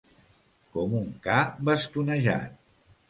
Com un ca bastonejat.